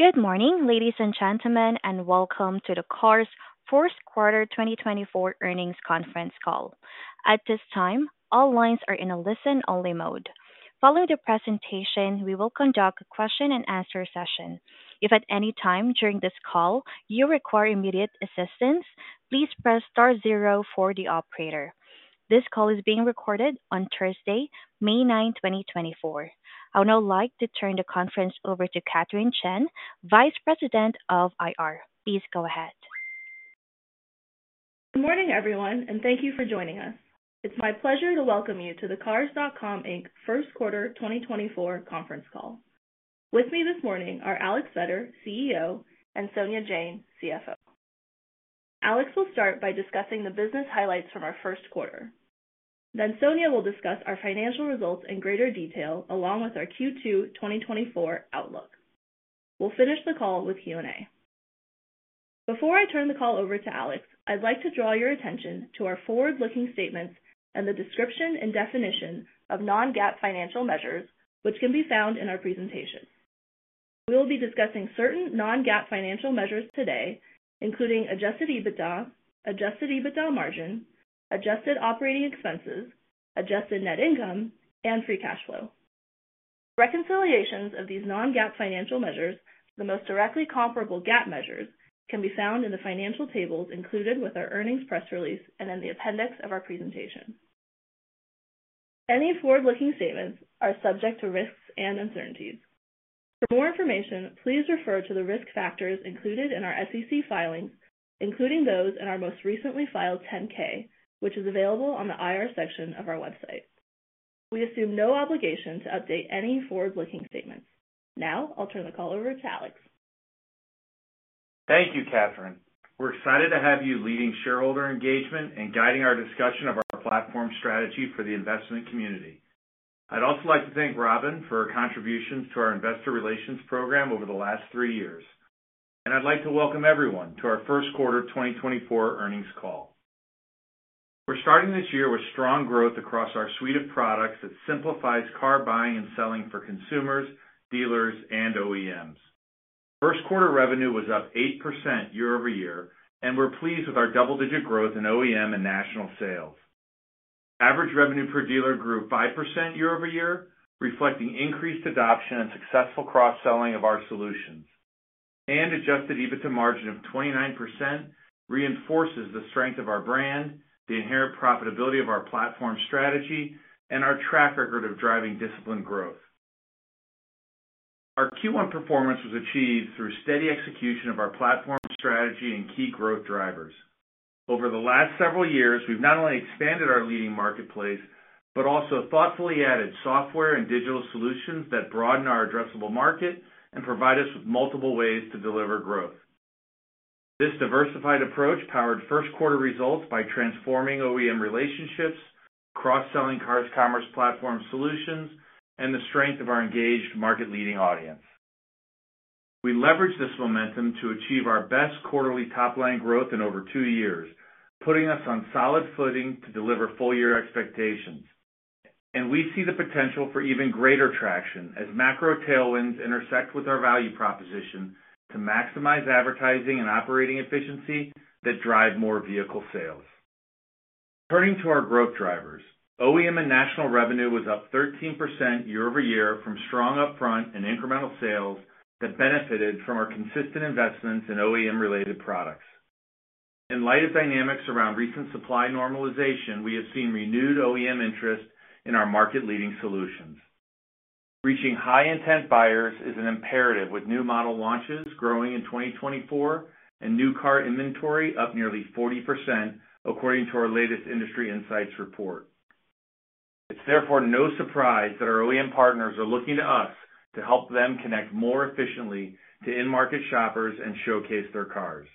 Good morning, ladies and gentlemen, and welcome to the Cars first quarter 2024 earnings conference call. At this time, all lines are in a listen-only mode. Following the presentation, we will conduct a question-and-answer session. If at any time during this call you require immediate assistance, please press star zero for the operator. This call is being recorded on Thursday, May 9, 2024. I would now like to turn the conference over to Katherine Chen, Vice President of IR. Please go ahead. Good morning, everyone, and thank you for joining us. It's my pleasure to welcome you to the Cars.com, Inc. first quarter 2024 conference call. With me this morning are Alex Vetter, CEO, and Sonia Jain, CFO. Alex will start by discussing the business highlights from our first quarter. Then Sonia will discuss our financial results in greater detail, along with our Q2 2024 outlook. We'll finish the call with Q&A. Before I turn the call over to Alex, I'd like to draw your attention to our forward-looking statements and the description and definition of non-GAAP financial measures, which can be found in our presentation. We will be discussing certain non-GAAP financial measures today, including adjusted EBITDA, adjusted EBITDA margin, adjusted operating expenses, adjusted net income, and free cash flow. Reconciliations of these non-GAAP financial measures to the most directly comparable GAAP measures can be found in the financial tables included with our earnings press release and in the appendix of our presentation. Any forward-looking statements are subject to risks and uncertainties. For more information, please refer to the risk factors included in our SEC filings, including those in our most recently filed 10-K, which is available on the IR section of our website. We assume no obligation to update any forward-looking statements. Now, I'll turn the call over to Alex. Thank you, Katherine. We're excited to have you leading shareholder engagement and guiding our discussion of our platform strategy for the investment community. I'd also like to thank Robbin for her contributions to our investor relations program over the last three years. I'd like to welcome everyone to our first quarter 2024 earnings call. We're starting this year with strong growth across our suite of products that simplifies car buying and selling for consumers, dealers, and OEMs. First quarter revenue was up 8% year-over-year, and we're pleased with our double-digit growth in OEM and national sales. Average revenue per dealer grew 5% year-over-year, reflecting increased adoption and successful cross-selling of our solutions. Adjusted EBITDA margin of 29% reinforces the strength of our brand, the inherent profitability of our platform strategy, and our track record of driving disciplined growth. Our Q1 performance was achieved through steady execution of our platform strategy and key growth drivers. Over the last several years, we've not only expanded our leading marketplace, but also thoughtfully added software and digital solutions that broaden our addressable market and provide us with multiple ways to deliver growth. This diversified approach powered first quarter results by transforming OEM relationships, cross-selling Cars Commerce platform solutions, and the strength of our engaged market-leading audience. We leveraged this momentum to achieve our best quarterly top-line growth in over two years, putting us on solid footing to deliver full year expectations. We see the potential for even greater traction as macro tailwinds intersect with our value proposition to maximize advertising and operating efficiency that drive more vehicle sales. Turning to our growth drivers, OEM and national revenue was up 13% year-over-year from strong upfront and incremental sales that benefited from our consistent investments in OEM-related products. In light of dynamics around recent supply normalization, we have seen renewed OEM interest in our market-leading solutions. Reaching high intent buyers is an imperative with new model launches growing in 2024 and new car inventory up nearly 40%, according to our latest industry insights report. It's therefore no surprise that our OEM partners are looking to us to help them connect more efficiently to in-market shoppers and showcase their cars.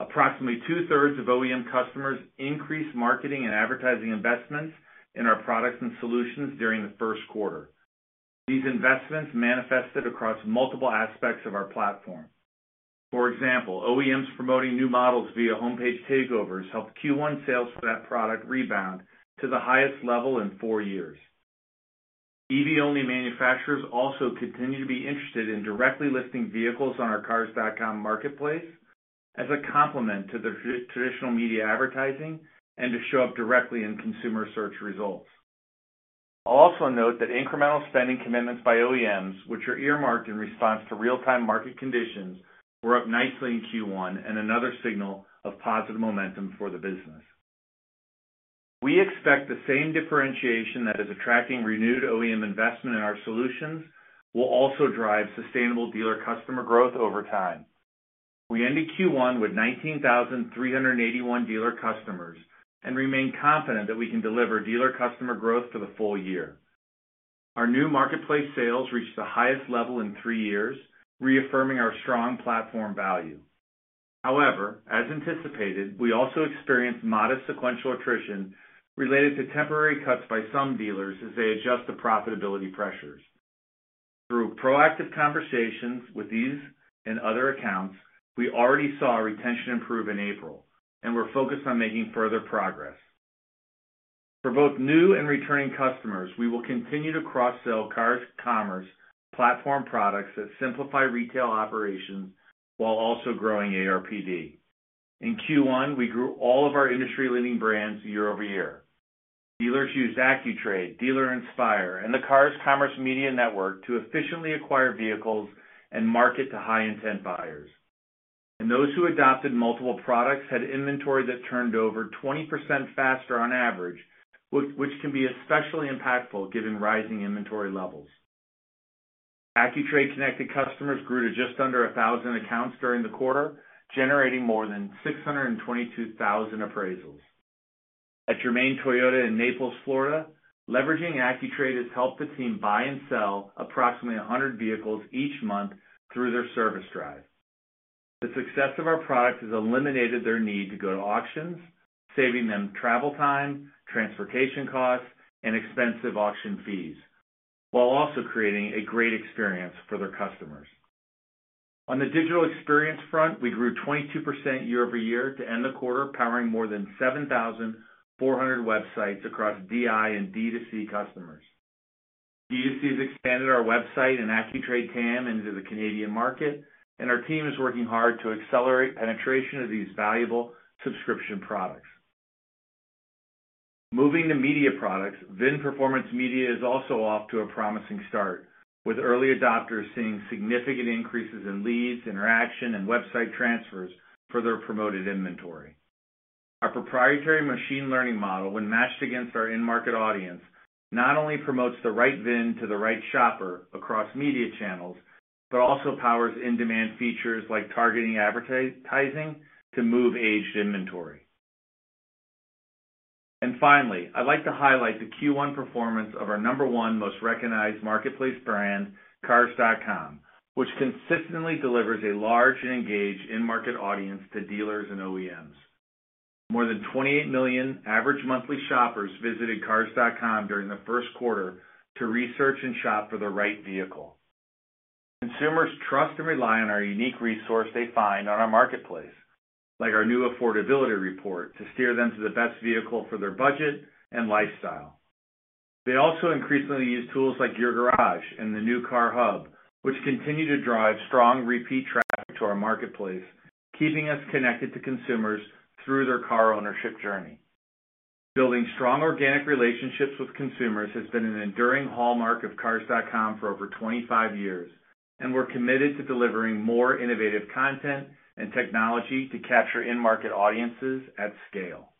Approximately two-thirds of OEM customers increased marketing and advertising investments in our products and solutions during the first quarter. These investments manifested across multiple aspects of our platform. For example, OEMs promoting new models via homepage takeovers helped Q1 sales for that product rebound to the highest level in four years. EV-only manufacturers also continue to be interested in directly listing vehicles on our Cars.com marketplace as a complement to their traditional media advertising and to show up directly in consumer search results. I'll also note that incremental spending commitments by OEMs, which are earmarked in response to real-time market conditions, were up nicely in Q1 and another signal of positive momentum for the business. We expect the same differentiation that is attracting renewed OEM investment in our solutions will also drive sustainable dealer customer growth over time. We ended Q1 with 19,381 dealer customers and remain confident that we can deliver dealer customer growth for the full year. Our new marketplace sales reached the highest level in 3 years, reaffirming our strong platform value. However, as anticipated, we also experienced modest sequential attrition related to temporary cuts by some dealers as they adjust to profitability pressures. Through proactive conversations with these and other accounts, we already saw retention improve in April, and we're focused on making further progress. For both new and returning customers, we will continue to cross-sell Cars Commerce platform products that simplify retail operations while also growing ARPD. In Q1, we grew all of our industry-leading brands year-over-year. Dealers use AccuTrade, Dealer Inspire, and the Cars Commerce Media Network to efficiently acquire vehicles and market to high-intent buyers. And those who adopted multiple products had inventory that turned over 20% faster on average, which can be especially impactful given rising inventory levels. AccuTrade connected customers grew to just under 1,000 accounts during the quarter, generating more than 622,000 appraisals. At Germain Toyota of Naples, Florida, leveraging AccuTrade has helped the team buy and sell approximately 100 vehicles each month through their service drive. The success of our product has eliminated their need to go to auctions, saving them travel time, transportation costs, and expensive auction fees, while also creating a great experience for their customers. On the digital experience front, we grew 22% year-over-year to end the quarter, powering more than 7,400 websites across DI and D2C customers. D2C has expanded our website and AccuTrade TAM into the Canadian market, and our team is working hard to accelerate penetration of these valuable subscription products. Moving to media products, VIN Performance Media is also off to a promising start, with early adopters seeing significant increases in leads, interaction, and website transfers for their promoted inventory. Our proprietary machine learning model, when matched against our in-market audience, not only promotes the right VIN to the right shopper across media channels, but also powers in-demand features like targeting advertising to move aged inventory. And finally, I'd like to highlight the Q1 performance of our number one most recognized marketplace brand, Cars.com, which consistently delivers a large and engaged in-market audience to dealers and OEMs. More than 28 million average monthly shoppers visited Cars.com during the first quarter to research and shop for the right vehicle. Consumers trust and rely on our unique resource they find on our marketplace, like our new affordability report, to steer them to the best vehicle for their budget and lifestyle. They also increasingly use tools like Your Garage and the new Car Hub, which continue to drive strong repeat traffic to our marketplace, keeping us connected to consumers through their car ownership journey. Building strong organic relationships with consumers has been an enduring hallmark of Cars.com for over 25 years, and we're committed to delivering more innovative content and technology to capture in-market audiences at scale.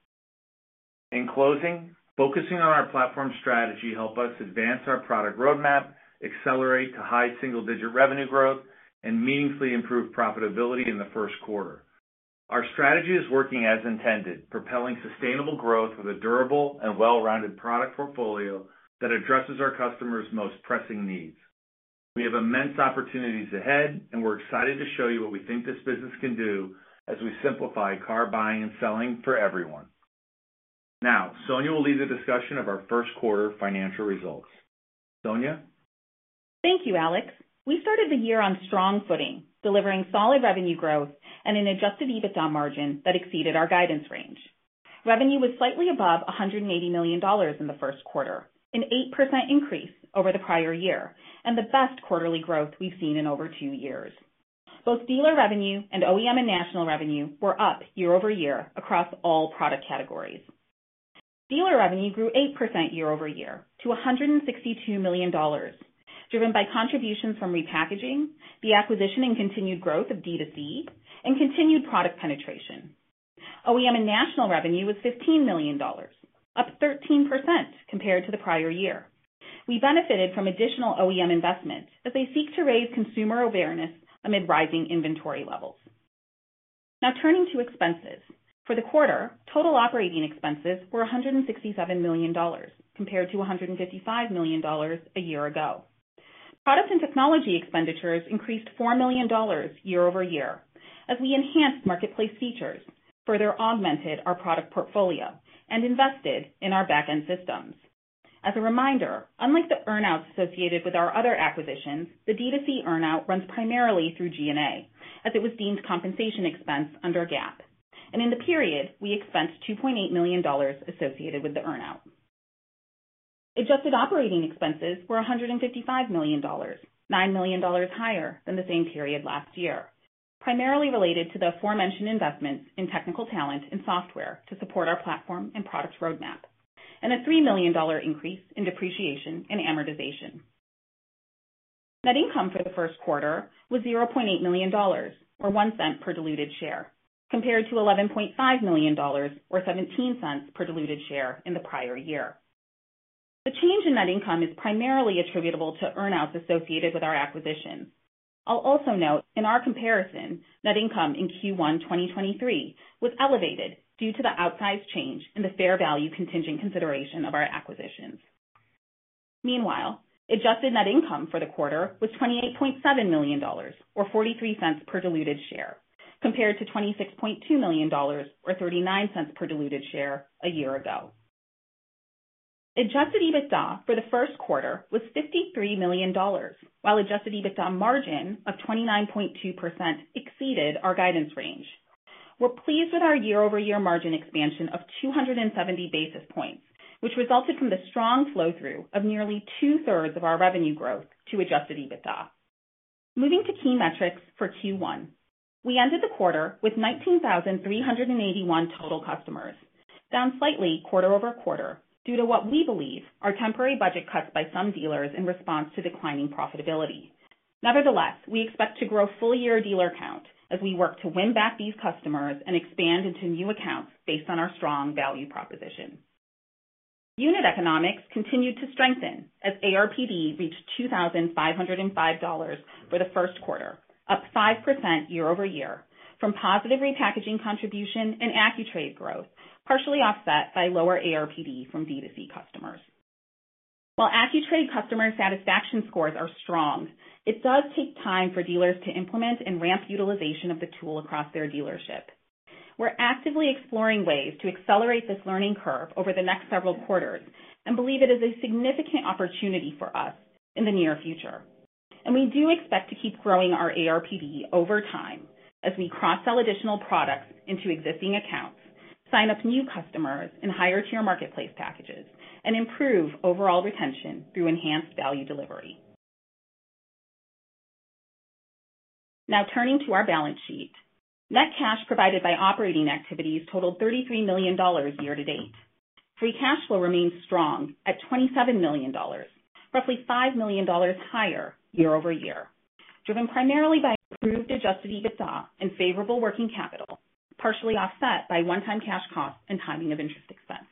In closing, focusing on our platform strategy help us advance our product roadmap, accelerate to high single-digit revenue growth, and meaningfully improve profitability in the first quarter. Our strategy is working as intended, propelling sustainable growth with a durable and well-rounded product portfolio that addresses our customers' most pressing needs. We have immense opportunities ahead, and we're excited to show you what we think this business can do as we simplify car buying and selling for everyone. Now, Sonia will lead the discussion of our first quarter financial results. Sonia? Thank you, Alex. We started the year on strong footing, delivering solid revenue growth and an adjusted EBITDA margin that exceeded our guidance range. Revenue was slightly above $180 million in the first quarter, an 8% increase over the prior year, and the best quarterly growth we've seen in over two years. Both dealer revenue and OEM and national revenue were up year-over-year across all product categories. Dealer revenue grew 8% year-over-year to $162 million, driven by contributions from repackaging, the acquisition and continued growth of D2C, and continued product penetration. OEM and national revenue was $15 million, up 13% compared to the prior year. We benefited from additional OEM investments as they seek to raise consumer awareness amid rising inventory levels. Now, turning to expenses. For the quarter, total operating expenses were $167 million, compared to $155 million a year ago. Product and technology expenditures increased $4 million year-over-year, as we enhanced marketplace features, further augmented our product portfolio, and invested in our back-end systems. As a reminder, unlike the earn-outs associated with our other acquisitions, the D2C earn-out runs primarily through G&A, as it was deemed compensation expense under GAAP. In the period, we expensed $2.8 million associated with the earn-out. Adjusted operating expenses were $155 million, $9 million higher than the same period last year, primarily related to the aforementioned investments in technical talent and software to support our platform and product roadmap, and a $3 million increase in depreciation and amortization. Net income for the first quarter was $0.8 million, or $0.01 per diluted share, compared to $11.5 million, or $0.17 per diluted share in the prior year. The change in net income is primarily attributable to earn-outs associated with our acquisitions. I'll also note, in our comparison, net income in Q1 2023 was elevated due to the outsized change in the fair value contingent consideration of our acquisitions. Meanwhile, adjusted net income for the quarter was $28.7 million, or $0.43 per diluted share, compared to $26.2 million, or $0.39 per diluted share a year ago. Adjusted EBITDA for the first quarter was $53 million, while adjusted EBITDA margin of 29.2% exceeded our guidance range. We're pleased with our year-over-year margin expansion of 270 basis points, which resulted from the strong flow-through of nearly two-thirds of our revenue growth to Adjusted EBITDA. Moving to key metrics for Q1. We ended the quarter with 19,381 total customers, down slightly quarter-over-quarter, due to what we believe are temporary budget cuts by some dealers in response to declining profitability. Nevertheless, we expect to grow full-year dealer count as we work to win back these customers and expand into new accounts based on our strong value proposition. Unit economics continued to strengthen as ARPD reached $2,505 for the first quarter, up 5% year-over-year, from positive repackaging contribution and AccuTrade growth, partially offset by lower ARPD from D2C customers. While AccuTrade customer satisfaction scores are strong, it does take time for dealers to implement and ramp utilization of the tool across their dealership. We're actively exploring ways to accelerate this learning curve over the next several quarters and believe it is a significant opportunity for us in the near future. We do expect to keep growing our ARPD over time as we cross-sell additional products into existing accounts, sign up new customers in higher tier marketplace packages, and improve overall retention through enhanced value delivery. Now turning to our balance sheet. Net cash provided by operating activities totaled $33 million year to date. Free Cash Flow remains strong at $27 million, roughly $5 million higher year-over-year, driven primarily by improved Adjusted EBITDA and favorable working capital, partially offset by one-time cash costs and timing of interest expense.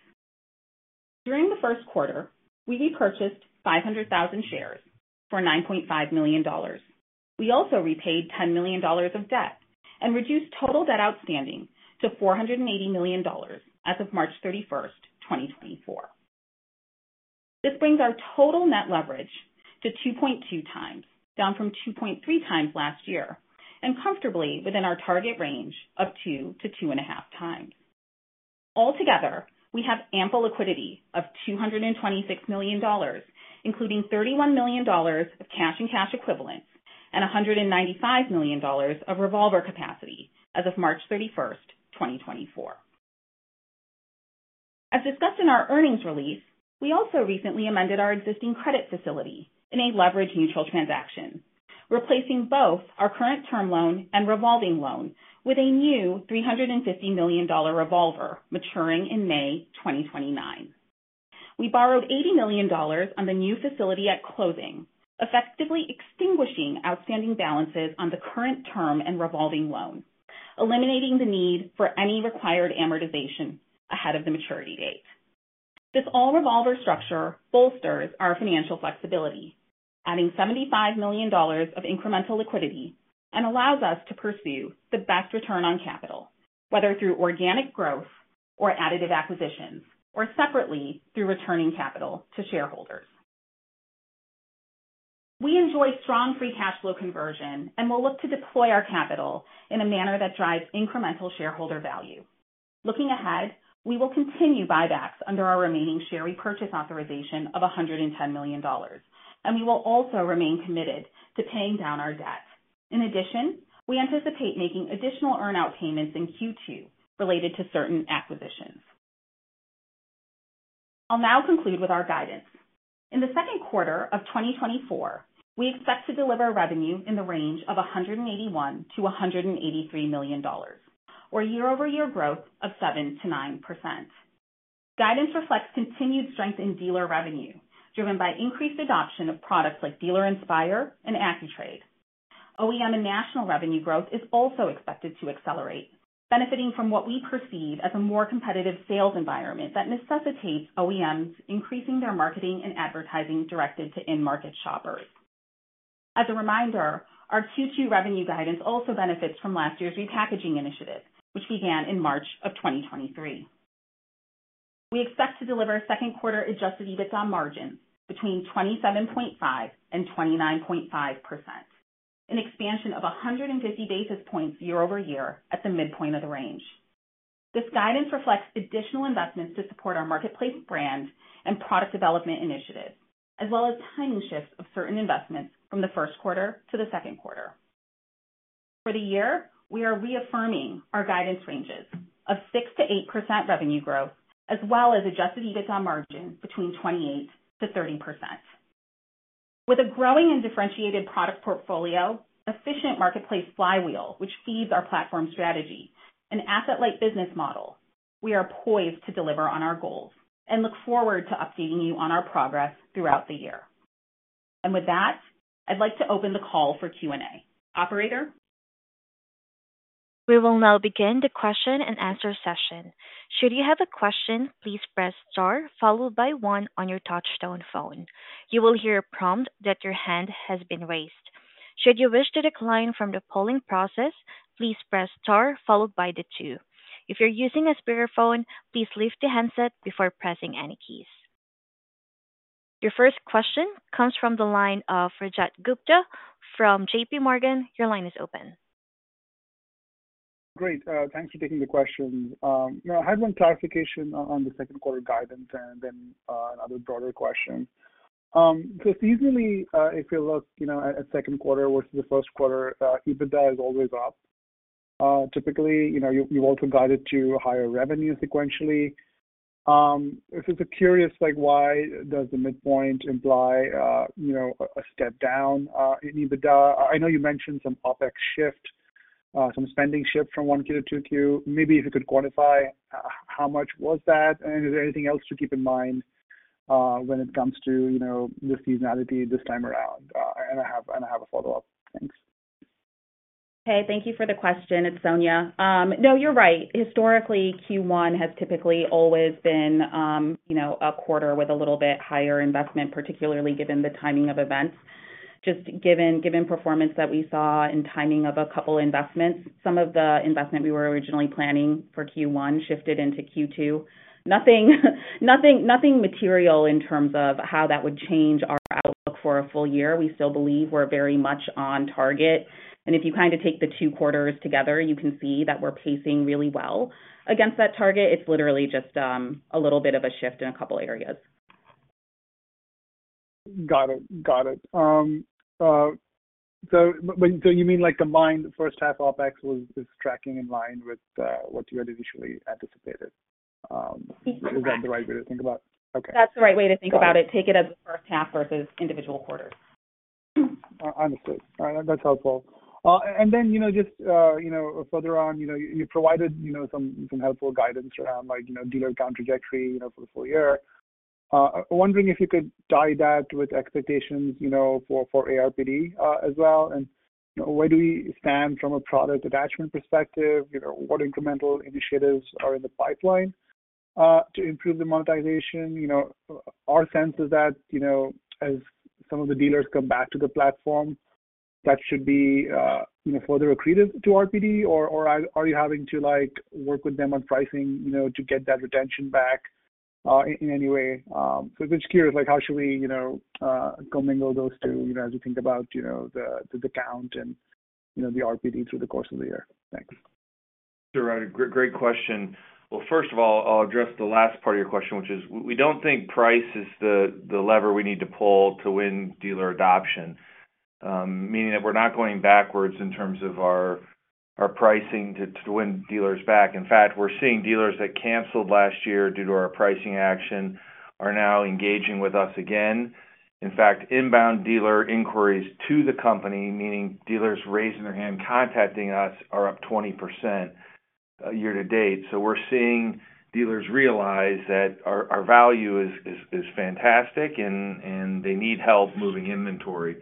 During the first quarter, we repurchased 500,000 shares for $9.5 million. We also repaid $10 million of debt and reduced total debt outstanding to $480 million as of March 31, 2024. This brings our total net leverage to 2.2x, down from 2.3x last year, and comfortably within our target range of 2 to 2.5 times. Altogether, we have ample liquidity of $226 million, including $31 million of cash and cash equivalents and $195 million of revolver capacity as of March 31, 2024. As discussed in our earnings release, we also recently amended our existing credit facility in a leverage-neutral transaction, replacing both our current term loan and revolving loan with a new $350 million revolver maturing in May 2029. We borrowed $80 million on the new facility at closing, effectively extinguishing outstanding balances on the current term and revolving loan, eliminating the need for any required amortization ahead of the maturity date. This all-revolver structure bolsters our financial flexibility, adding $75 million of incremental liquidity and allows us to pursue the best return on capital, whether through organic growth or additive acquisitions, or separately, through returning capital to shareholders. We enjoy strong free cash flow conversion and will look to deploy our capital in a manner that drives incremental shareholder value. Looking ahead, we will continue buybacks under our remaining share repurchase authorization of $110 million, and we will also remain committed to paying down our debt. In addition, we anticipate making additional earn out payments in Q2 related to certain acquisitions. I'll now conclude with our guidance. In the second quarter of 2024, we expect to deliver revenue in the range of $181 million-$183 million, or year-over-year growth of 7%-9%. Guidance reflects continued strength in dealer revenue, driven by increased adoption of products like Dealer Inspire and AccuTrade. OEM and national revenue growth is also expected to accelerate, benefiting from what we perceive as a more competitive sales environment that necessitates OEMs increasing their marketing and advertising directed to end market shoppers. As a reminder, our Q2 revenue guidance also benefits from last year's repackaging initiative, which began in March of 2023. We expect to deliver second quarter adjusted EBITDA margins between 27.5% and 29.5%, an expansion of 150 basis points year-over-year at the midpoint of the range. This guidance reflects additional investments to support our marketplace brands and product development initiatives, as well as timing shifts of certain investments from the first quarter to the second quarter. For the year, we are reaffirming our guidance ranges of 6%-8% revenue growth, as well as adjusted EBITDA margin between 28%-30%. With a growing and differentiated product portfolio, efficient marketplace flywheel, which feeds our platform strategy, an asset-light business model, we are poised to deliver on our goals and look forward to updating you on our progress throughout the year. With that, I'd like to open the call for Q&A. Operator? We will now begin the question-and-answer session. Should you have a question, please press star followed by one on your touchtone phone. You will hear a prompt that your hand has been raised. Should you wish to decline from the polling process, please press star followed by the two. If you're using a speakerphone, please leave the handset before pressing any keys. Your first question comes from the line of Rajat Gupta from J.P. Morgan. Your line is open. Great, thanks for taking the question. I had one clarification on the second quarter guidance and then, another broader question. So seasonally, if you look, you know, at second quarter versus the first quarter, EBITDA is always up. Typically, you know, you've also guided to higher revenue sequentially. I'm curious, like, why does the mid-point imply, you know, a step down in EBITDA? I know you mentioned some OpEx shift, some spending shift from one Q to Q2. Maybe if you could quantify how much was that, and is there anything else to keep in mind, when it comes to, you know, the seasonality this time around? And I have a follow-up. Thanks. Hey, thank you for the question. It's Sonia. No, you're right. Historically, Q1 has typically always been, you know, a quarter with a little bit higher investment, particularly given the timing of events. Just given performance that we saw and timing of a couple investments, some of the investment we were originally planning for Q1 shifted into Q2. Nothing material in terms of how that would change our outlook for a full year. We still believe we're very much on target. And if you kind of take the two quarters together, you can see that we're pacing really well against that target. It's literally just a little bit of a shift in a couple areas. Got it. Got it. So but, so you mean like the combined first half OpEx was- is tracking in line with what you had initially anticipated? Mm-hmm. Is that the right way to think about? Okay. That's the right way to think about it. Take it as a first half versus individual quarters. Understood. All right, that's helpful. And then, you know, just, you know, further on, you know, you provided, you know, some helpful guidance around, like, you know, dealer count trajectory, you know, for the full year. Wondering if you could tie that with expectations, you know, for, for ARPD, as well, and, you know, where do we stand from a product attachment perspective? You know, what incremental initiatives are in the pipeline, to improve the monetization? You know, our sense is that, you know, as some of the dealers come back to the platform, that should be, you know, further accretive to RPD, or are you having to, like, work with them on pricing, you know, to get that retention back, in any way? Just curious, like, how should we, you know, commingle those two, you know, as we think about, you know, the, the count and, you know, the RPD through the course of the year? Thanks. Sure, great, great question. Well, first of all, I'll address the last part of your question, which is we don't think price is the lever we need to pull to win dealer adoption. Meaning that we're not going backwards in terms of our pricing to win dealers back. In fact, we're seeing dealers that canceled last year due to our pricing action, are now engaging with us again. In fact, inbound dealer inquiries to the company, meaning dealers raising their hand, contacting us, are up 20%, year to date. So we're seeing dealers realize that our value is fantastic and they need help moving inventory.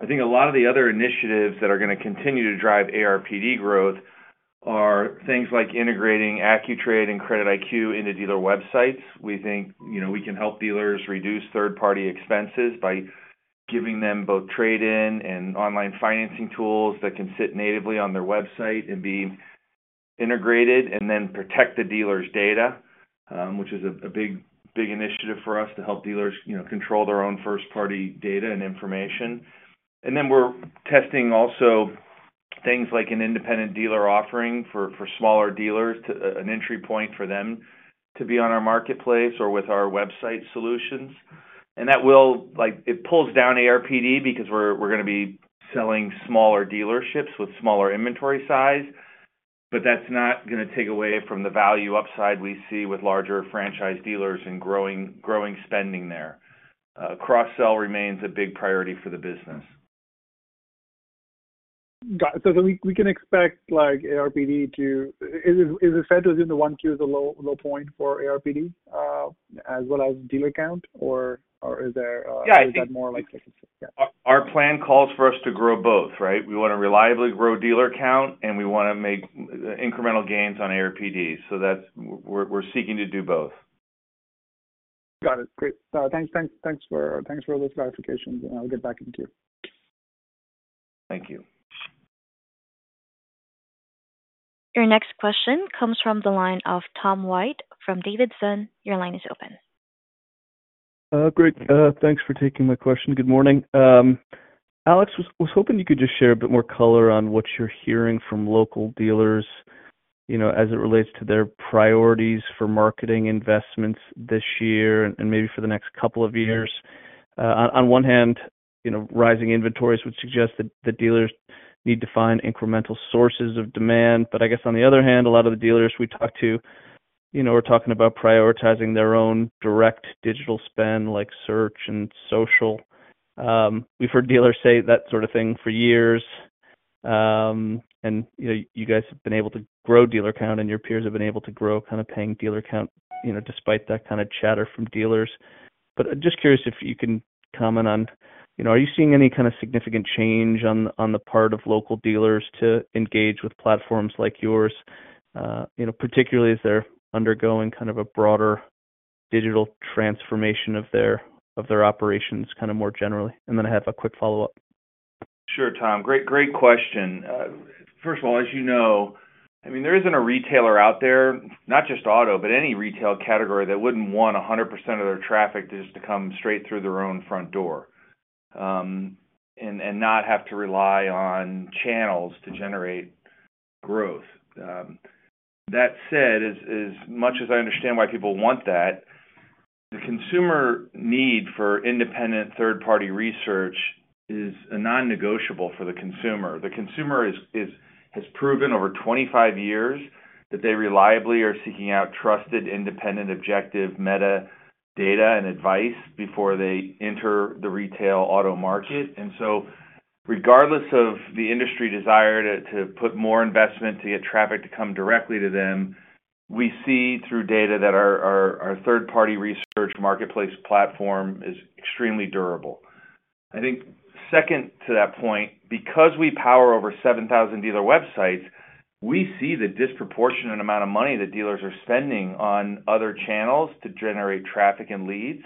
I think a lot of the other initiatives that are going to continue to drive ARPD growth are things like integrating AccuTrade and CreditIQ into dealer websites. We think, you know, we can help dealers reduce third-party expenses by giving them both trade-in and online financing tools that can sit natively on their website and be integrated and then protect the dealer's data, which is a big, big initiative for us to help dealers, you know, control their own first-party data and information. And then we're testing also things like an independent dealer offering for smaller dealers, to an entry point for them to be on our marketplace or with our website solutions. And that will. Like, it pulls down ARPD because we're going to be selling smaller dealerships with smaller inventory size, but that's not going to take away from the value upside we see with larger franchise dealers and growing, growing spending there. Cross-sell remains a big priority for the business. Got it. So we can expect like ARPD to... Is it fair to assume the 1Q is a low point for ARPD as well as dealer count, or is there... Yeah, I think- Is that more like, yeah? Our plan calls for us to grow both, right? We want to reliably grow dealer count, and we want to make incremental gains on ARPD. So that's what we're seeking to do both. Got it. Great. Thanks, thanks, thanks for, thanks for those clarifications, and I'll get back into queue. Thank you. Your next question comes from the line of Tom White from D.A. Davidson. Your line is open. Great, thanks for taking my question. Good morning. Alex, was hoping you could just share a bit more color on what you're hearing from local dealers, you know, as it relates to their priorities for marketing investments this year and maybe for the next couple of years. On one hand, you know, rising inventories would suggest that the dealers need to find incremental sources of demand. But I guess on the other hand, a lot of the dealers we talk to, you know, are talking about prioritizing their own direct digital spend, like search and social. We've heard dealers say that sort of thing for years. And, you know, you guys have been able to grow dealer count, and your peers have been able to grow, kind of paying dealer count, you know, despite that kind of chatter from dealers. I'm just curious if you can comment on, you know, are you seeing any kind of significant change on the part of local dealers to engage with platforms like yours? You know, particularly as they're undergoing kind of a broader digital transformation of their operations, kind of more generally. And then I have a quick follow-up. Sure, Tom. Great, great question. First of all, as you know, I mean, there isn't a retailer out there, not just auto, but any retail category, that wouldn't want 100% of their traffic just to come straight through their own front door, and not have to rely on channels to generate growth. That said, as much as I understand why people want that, the consumer need for independent third-party research is a non-negotiable for the consumer. The consumer has proven over 25 years that they reliably are seeking out trusted, independent, objective meta data and advice before they enter the retail auto market. And so regardless of the industry desire to put more investment to get traffic to come directly to them, we see through data that our third-party research marketplace platform is extremely durable. I think second to that point, because we power over 7,000 dealer websites, we see the disproportionate amount of money that dealers are spending on other channels to generate traffic and leads.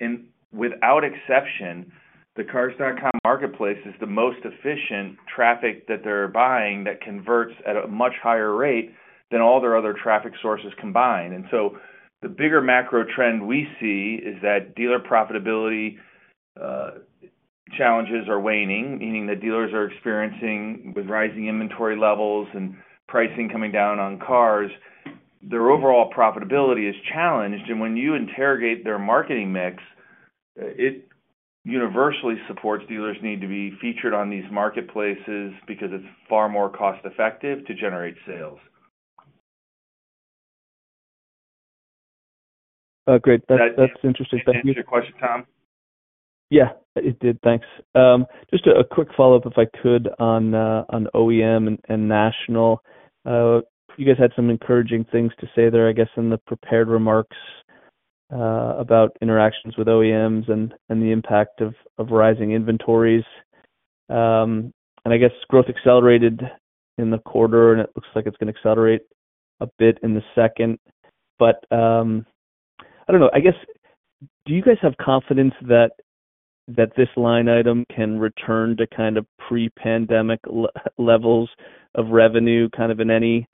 And without exception, the Cars.com marketplace is the most efficient traffic that they're buying that converts at a much higher rate than all their other traffic sources combined. And so the bigger macro trend we see is that dealer profitability challenges are waning, meaning that dealers are experiencing, with rising inventory levels and pricing coming down on cars, their overall profitability is challenged. And when you interrogate their marketing mix, it universally supports dealers' need to be featured on these marketplaces because it's far more cost-effective to generate sales. Great. That's interesting Did that answer your question, Tom? Yeah, it did. Thanks. Just a quick follow-up, if I could, on OEM and national. You guys had some encouraging things to say there, I guess, in the prepared remarks, about interactions with OEMs and the impact of rising inventories. And I guess growth accelerated in the quarter, and it looks like it's going to accelerate a bit in the second. But I don't know, I guess, do you guys have confidence that this line item can return to kind of pre-pandemic levels of revenue, kind of in any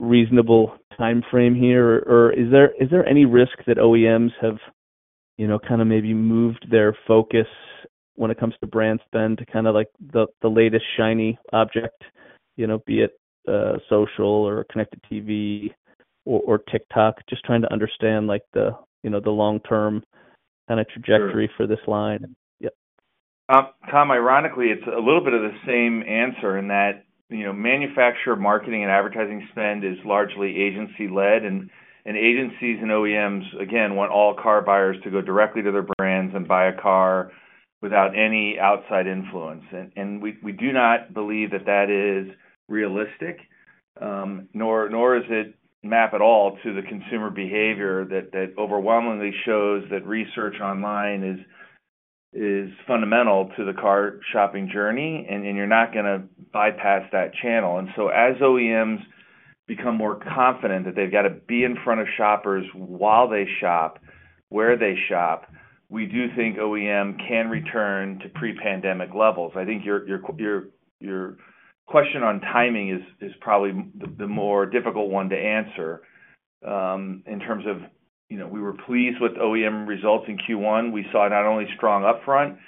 reasonable timeframe here? Or is there any risk that OEMs have, you know, kind of maybe moved their focus when it comes to brand spend to kind of like the latest shiny object, you know, be it social or connected TV or TikTok? Just trying to understand, like the, you know, the long-term kind of trajectory for this line. Yeah. Tom, ironically, it's a little bit of the same answer in that, you know, manufacturer marketing and advertising spend is largely agency-led, and agencies and OEMs, again, want all car buyers to go directly to their brands and buy a car without any outside influence. And we do not believe that that is realistic, nor does it map at all to the consumer behavior that overwhelmingly shows that research online is fundamental to the car shopping journey, and you're not going to bypass that channel. And so as OEMs become more confident that they've got to be in front of shoppers while they shop, where they shop, we do think OEM can return to pre-pandemic levels. I think your question on timing is probably the more difficult one to answer, in terms of, you know, we were pleased with OEM results in Q1. We saw not only strong upfront,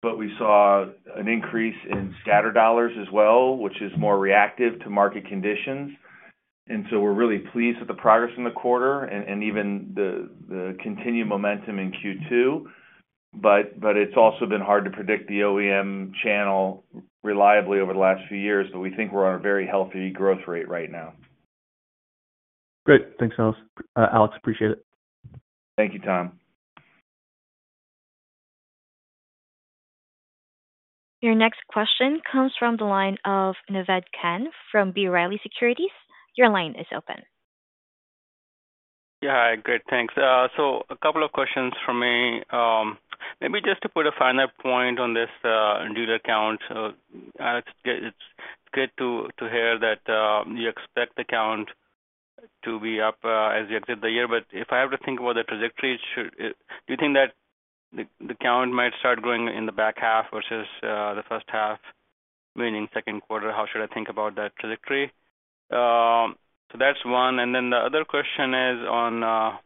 but we saw an increase in scatter dollars as well, which is more reactive to market conditions. And so we're really pleased with the progress in the quarter and even the continued momentum in Q2. But it's also been hard to predict the OEM channel reliably over the last few years, but we think we're on a very healthy growth rate right now. Great. Thanks, Alex. Alex, appreciate it. Thank you, Tom. Your next question comes from the line of Naved Khan from B. Riley Securities. Your line is open. Yeah, hi. Great, thanks. A couple of questions from me. Maybe just to put a finer point on this, dealer count. It's good to hear that you expect the count to be up as you exit the year. But if I have to think about the trajectory, should it... Do you think that the count might start growing in the back half versus the first half, meaning second quarter? How should I think about that trajectory? That's one. Then the other question is on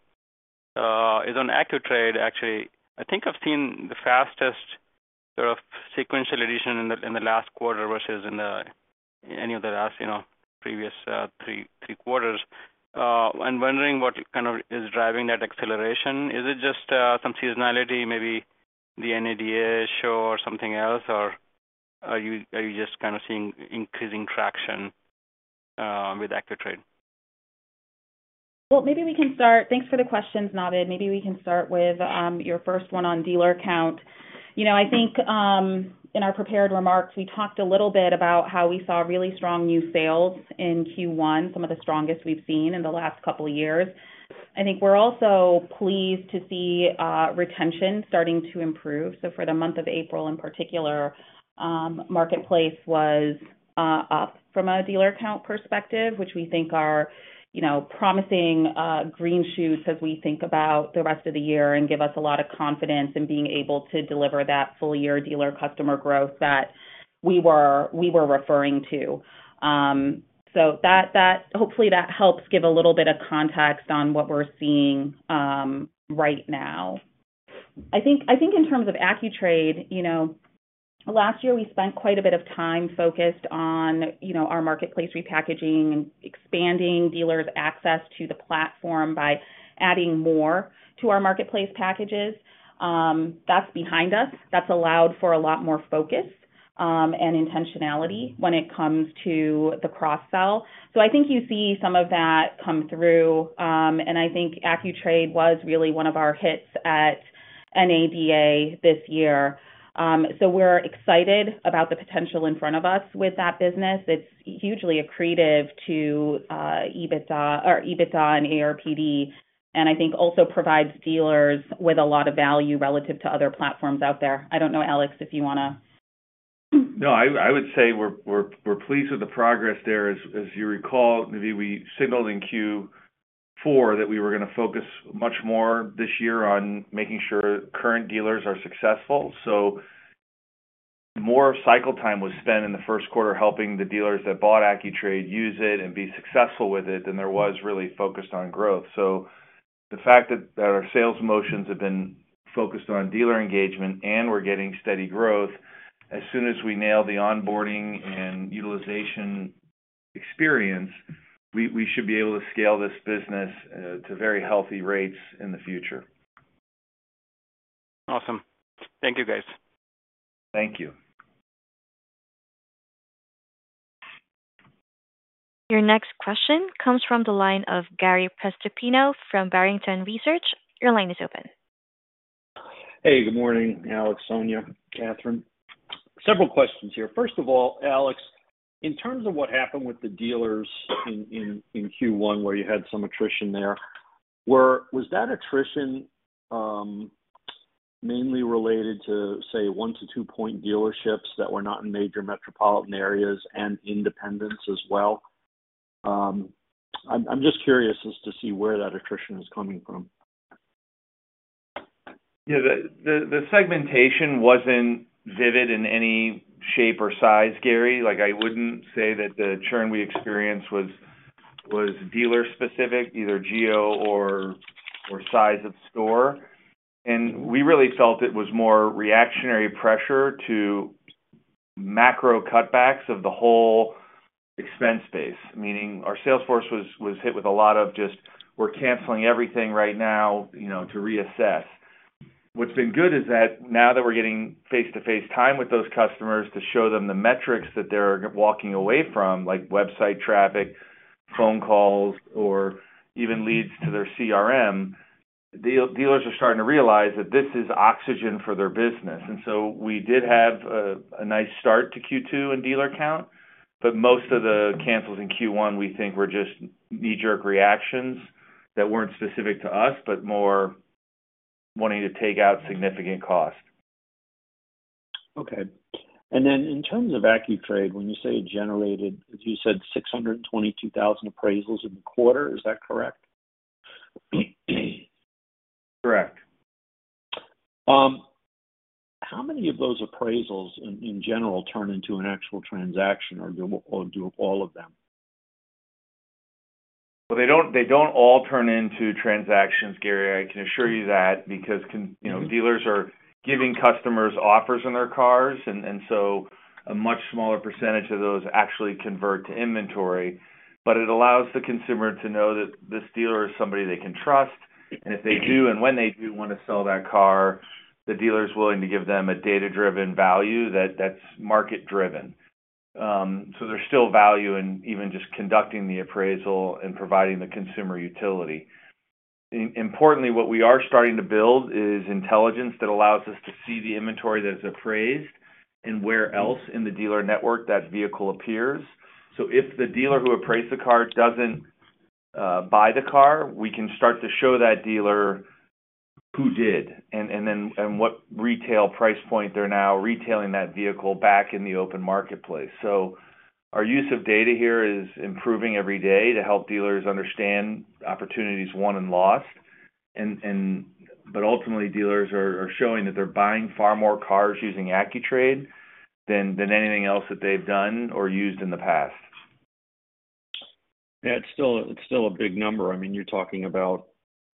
AccuTrade, actually. I think I've seen the fastest sort of sequential addition in the last quarter versus any of the last, you know, previous three quarters. I'm wondering what kind of is driving that acceleration. Is it just some seasonality, maybe the NADA show or something else? Or are you, are you just kind of seeing increasing traction with AccuTrade? Well, maybe we can start. Thanks for the questions, Naved. Maybe we can start with your first one on dealer count. You know, I think in our prepared remarks, we talked a little bit about how we saw really strong new sales in Q1, some of the strongest we've seen in the last couple of years. I think we're also pleased to see retention starting to improve. So for the month of April, in particular, marketplace was up from a dealer count perspective, which we think are, you know, promising green shoots as we think about the rest of the year and give us a lot of confidence in being able to deliver that full year dealer customer growth that we were referring to. So, hopefully, that helps give a little bit of context on what we're seeing right now. I think in terms of AccuTrade, you know, last year, we spent quite a bit of time focused on, you know, our marketplace repackaging and expanding dealers' access to the platform by adding more to our marketplace packages. That's behind us. That's allowed for a lot more focus and intentionality when it comes to the cross-sell. So I think you see some of that come through, and I think AccuTrade was really one of our hits at NADA this year. So we're excited about the potential in front of us with that business. It's hugely accretive to EBITDA, or EBITDA and ARPD, and I think also provides dealers with a lot of value relative to other platforms out there. I don't know, Alex, if you want to- No, I would say we're pleased with the progress there. As you recall, maybe we signaled in Q4 that we were going to focus much more this year on making sure current dealers are successful. So more cycle time was spent in the first quarter, helping the dealers that bought AccuTrade use it and be successful with it than there was really focused on growth. So the fact that our sales motions have been focused on dealer engagement and we're getting steady growth, as soon as we nail the onboarding and utilization experience, we should be able to scale this business to very healthy rates in the future. Awesome. Thank you, guys. Thank you. Your next question comes from the line of Gary Prestopino from Barrington Research. Your line is open. Hey, good morning, Alex, Sonia, Katherine. Several questions here. First of all, Alex, in terms of what happened with the dealers in Q1, where you had some attrition there, was that attrition mainly related to, say, 1-2 point dealerships that were not in major metropolitan areas and independents as well? I'm just curious as to see where that attrition is coming from. Yeah, the segmentation wasn't vivid in any shape or size, Gary. Like, I wouldn't say that the churn we experienced was dealer specific, either geo or size of store. And we really felt it was more reactionary pressure to macro cutbacks of the whole expense base, meaning our sales force was hit with a lot of just, we're canceling everything right now, you know, to reassess. What's been good is that now that we're getting face-to-face time with those customers to show them the metrics that they're walking away from, like website traffic, phone calls, or even leads to their CRM, dealers are starting to realize that this is oxygen for their business. And so we did have a nice start to Q2 in dealer count, but most of the cancels in Q1, we think, were just knee-jerk reactions that weren't specific to us, but more wanting to take out significant cost. Okay. And then in terms of AccuTrade, when you say it generated, as you said, 622,000 appraisals in the quarter, is that correct? Correct. How many of those appraisals, in general, turn into an actual transaction, or do all of them? Well, they don't, they don't all turn into transactions, Gary. I can assure you that, because, you know, dealers are giving customers offers on their cars, and, and so a much smaller percentage of those actually convert to inventory. But it allows the consumer to know that this dealer is somebody they can trust. And if they do, and when they do want to sell that car, the dealer is willing to give them a data-driven value that's market-driven. So there's still value in even just conducting the appraisal and providing the consumer utility. Importantly, what we are starting to build is intelligence that allows us to see the inventory that is appraised and where else in the dealer network that vehicle appears. So if the dealer who appraised the car doesn't buy the car, we can start to show that dealer who did, and what retail price point they're now retailing that vehicle back in the open marketplace. So our use of data here is improving every day to help dealers understand opportunities won and lost. But ultimately, dealers are showing that they're buying far more cars using AccuTrade than anything else that they've done or used in the past. Yeah, it's still, it's still a big number. I mean, you're talking about,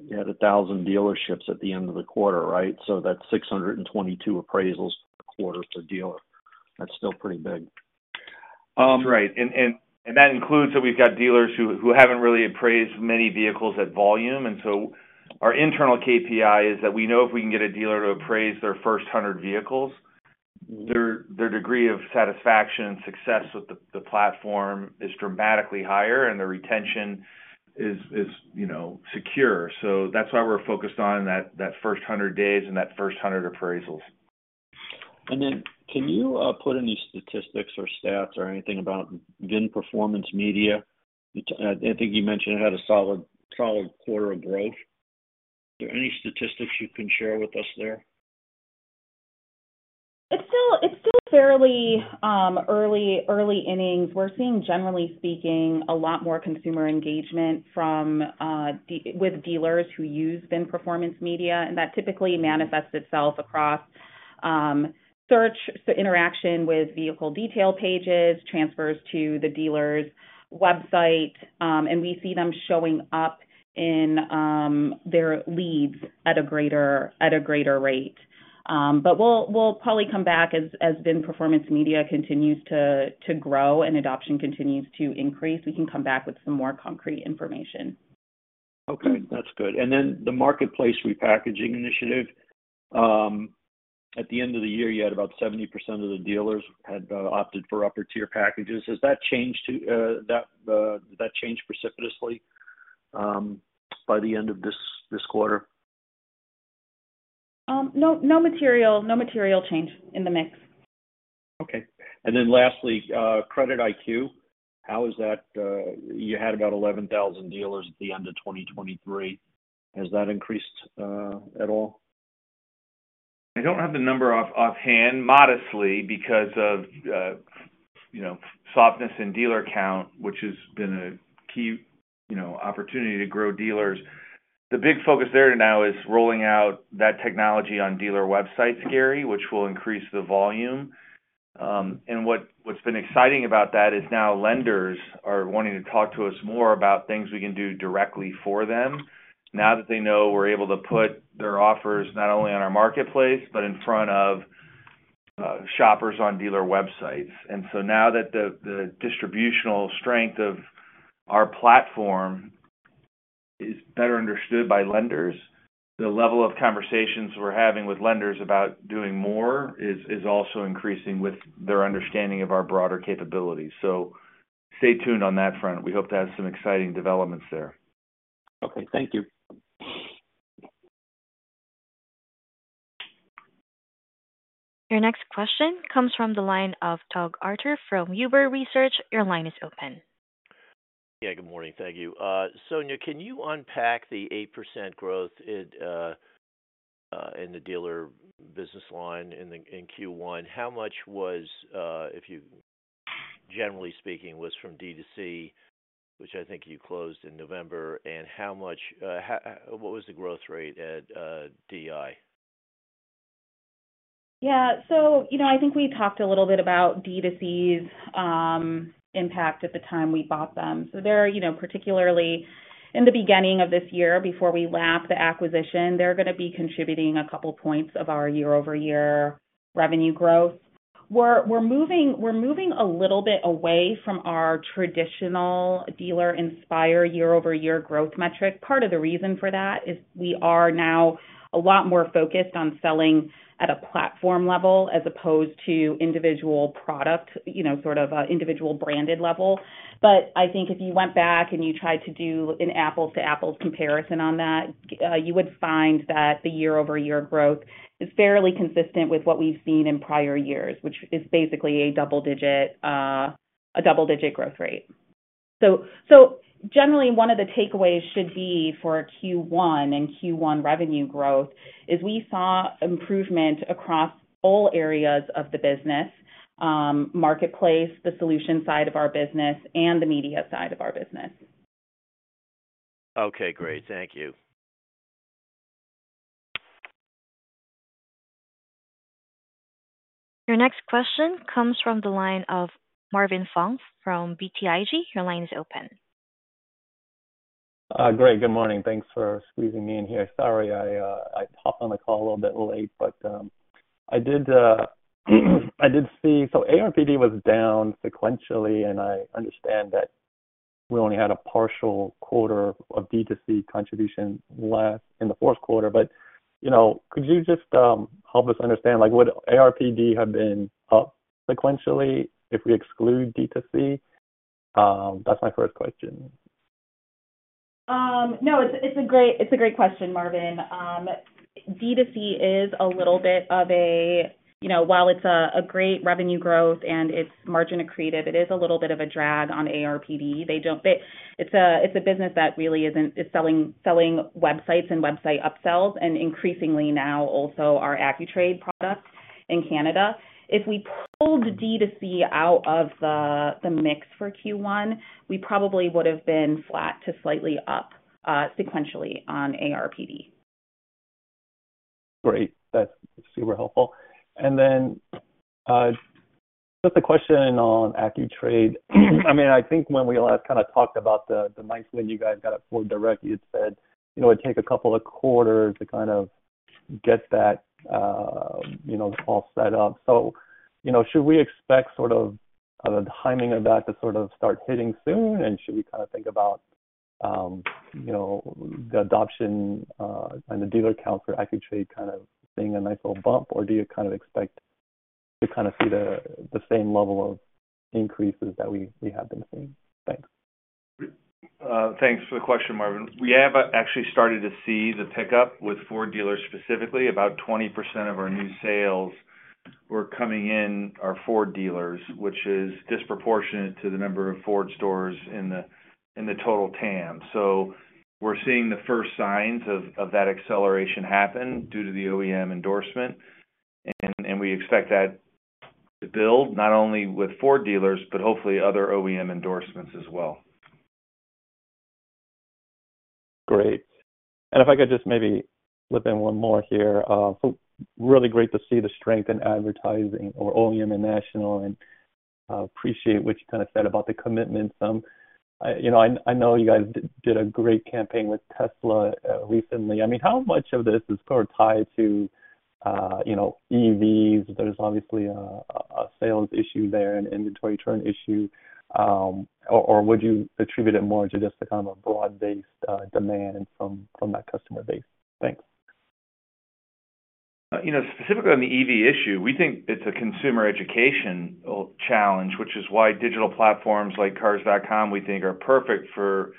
you had 1,000 dealerships at the end of the quarter, right? So that's 622 appraisals quarterper dealer. That's still pretty big. Right. And that includes that we've got dealers who haven't really appraised many vehicles at volume. And so our internal KPI is that we know if we can get a dealer to appraise their first 100 vehicles, their degree of satisfaction and success with the platform is dramatically higher, and the retention is, you know, secure. So that's why we're focused on that first 100 days and that first 100 appraisals. And then, can you put any statistics or stats or anything about VIN Performance Media? I think you mentioned it had a solid, solid quarter of growth. Are there any statistics you can share with us there? It's still fairly early innings. We're seeing, generally speaking, a lot more consumer engagement from with dealers who use VIN Performance Media, and that typically manifests itself across search, so interaction with vehicle detail pages, transfers to the dealer's website, and we see them showing up in their leads at a greater rate. But we'll probably come back as VIN Performance Media continues to grow and adoption continues to increase, we can come back with some more concrete information. Okay, that's good. And then the marketplace repackaging initiative, at the end of the year, you had about 70% of the dealers had opted for upper-tier packages. Has that changed to that, did that change precipitously, by the end of this quarter? No, no material, no material change in the mix. Okay. And then lastly, CreditIQ, how is that, you had about 11,000 dealers at the end of 2023. Has that increased, at all? I don't have the number offhand, modestly because of you know, softness in dealer count, which has been a key, you know, opportunity to grow dealers. The big focus there now is rolling out that technology on dealer websites, Gary, which will increase the volume. And what's been exciting about that is now lenders are wanting to talk to us more about things we can do directly for them, now that they know we're able to put their offers not only on our marketplace, but in front of shoppers on dealer websites. And so now that the distributional strength of our platform is better understood by lenders, the level of conversations we're having with lenders about doing more is also increasing with their understanding of our broader capabilities. So stay tuned on that front. We hope to have some exciting developments there. Okay, thank you. Your next question comes from the line of Doug Arthur from Huber Research. Your line is open. Yeah, good morning. Thank you. Sonia, can you unpack the 8% growth in the dealer business line in Q1? How much was, if you, generally speaking, was from D2C, which I think you closed in November, and how much, how, what was the growth rate at DI? Yeah, so you know, I think we talked a little bit about D2C's impact at the time we bought them. So they're, you know, particularly in the beginning of this year, before we lap the acquisition, they're going to be contributing a couple points of our year-over-year revenue growth. We're moving a little bit away from our traditional Dealer Inspire year-over-year growth metric. Part of the reason for that is we are now a lot more focused on selling at a platform level as opposed to individual product, you know, sort of individual branded level. But I think if you went back and you tried to do an apples to apples comparison on that, you would find that the year-over-year growth is fairly consistent with what we've seen in prior years, which is basically a double-digit growth rate. Generally, one of the takeaways should be for Q1 and Q1-revenue growth is we saw improvement across all areas of the business, marketplace, the solution side of our business, and the media side of our business. Okay, great. Thank you. Your next question comes from the line of Marvin Fong from BTIG. Your line is open. Great. Good morning. Thanks for squeezing me in here. Sorry, I hopped on the call a little bit late, but I did I did see... So ARPD was down sequentially, and I understand that we only had a partial quarter of D2C contribution last in the fourth quarter. But, you know, could you just help us understand, like, would ARPD have been up sequentially if we exclude D2C? That's my first question. No, it's a great, it's a great question, Marvin. D2C is a little bit of a, you know, while it's a, a great revenue growth and it's margin accretive, it is a little bit of a drag on ARPD. But it's a, it's a business that really isn't, is selling, selling websites and website upsells, and increasingly now, also our AccuTrade products in Canada. If we pulled D2C out of the, the mix for Q1, we probably would have been flat to slightly up, sequentially on ARPD. Great. That's super helpful. And then, just a question on AccuTrade. I mean, I think when we last kind of talked about the nice way you guys got it for Direct, you'd said, you know, it'd take a couple of quarters to kind of get that, you know, all set up. So, you know, should we expect sort of the timing of that to sort of start hitting soon? And should we kind of think about, you know, the adoption and the dealer count for AccuTrade kind of being a nice little bump? Or do you kind of expect to kind of see the same level of increases that we have been seeing? Thanks. Thanks for the question, Marvin. We have actually started to see the pickup with Ford dealers specifically. About 20% of our new sales were coming in are Ford dealers, which is disproportionate to the number of Ford stores in the total TAM. So we're seeing the first signs of that acceleration happen due to the OEM endorsement, and we expect that to build not only with Ford dealers, but hopefully other OEM endorsements as well. ... Great. And if I could just maybe slip in one more here. So really great to see the strength in advertising or OEM and national, and, appreciate what you kind of said about the commitment some. I, you know, I know you guys did a great campaign with Tesla, recently. I mean, how much of this is sort of tied to, you know, EVs? There's obviously a sales issue there, an inventory turn issue. Or would you attribute it more to just the kind of a broad-based, demand from that customer base? Thanks. You know, specifically on the EV issue, we think it's a consumer education challenge, which is why digital platforms like Cars.com, we think are perfect for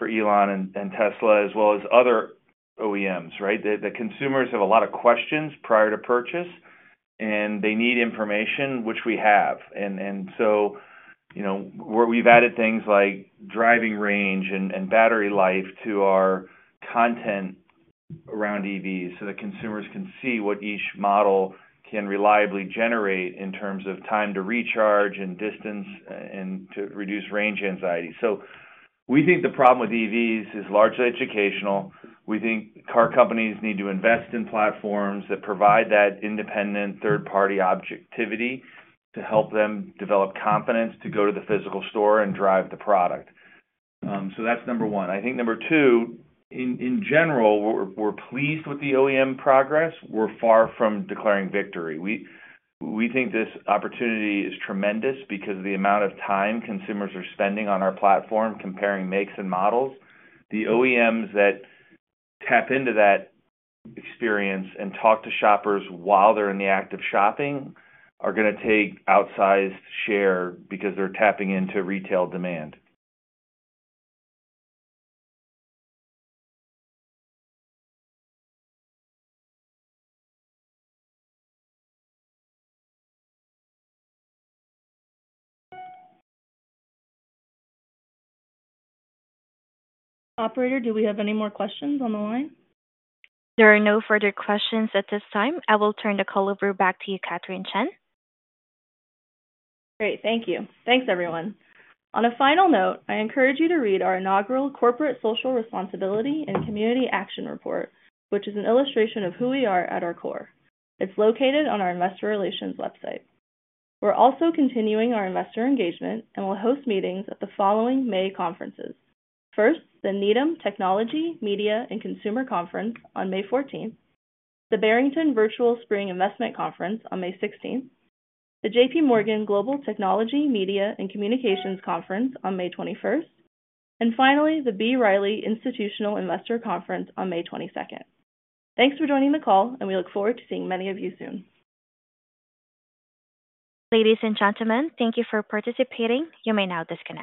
Elon and Tesla, as well as other OEMs, right? The consumers have a lot of questions prior to purchase, and they need information, which we have. So, you know, where we've added things like driving range and battery life to our content around EVs so that consumers can see what each model can reliably generate in terms of time to recharge and distance, and to reduce range anxiety. So we think the problem with EVs is largely educational. We think car companies need to invest in platforms that provide that independent, third-party objectivity to help them develop confidence to go to the physical store and drive the product. So that's number one. I think number two, in general, we're pleased with the OEM progress. We're far from declaring victory. We think this opportunity is tremendous because of the amount of time consumers are spending on our platform comparing makes and models. The OEMs that tap into that experience and talk to shoppers while they're in the act of shopping are gonna take outsized share because they're tapping into retail demand. Operator, do we have any more questions on the line? There are no further questions at this time. I will turn the call over back to you, Katherine Chen. Great, thank you. Thanks, everyone. On a final note, I encourage you to read our inaugural Corporate Social Responsibility and Community Action Report, which is an illustration of who we are at our core. It's located on our investor relations website. We're also continuing our investor engagement and will host meetings at the following May conferences. First, the Needham Technology, Media, and Consumer Conference on May 14th, the Barrington Virtual Spring Investment Conference on May 16th, the J.P. Morgan Global Technology, Media and Communications Conference on May 21st, and finally, the B. Riley Institutional Investor Conference on May 22nd. Thanks for joining the call, and we look forward to seeing many of you soon. Ladies and gentlemen, thank you for participating. You may now disconnect.